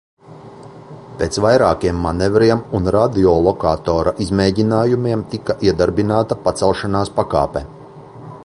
Pēc vairākiem manevriem un radiolokatora izmēģinājumiem tika iedarbināta pacelšanās pakāpe.